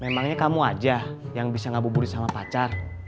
memangnya kamu aja yang bisa ngabuburin sama pacar